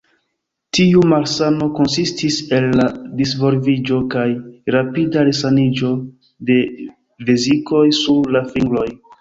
Tiu malsano konsistis el la disvolviĝo kaj rapida resaniĝo de vezikoj sur la fingroj.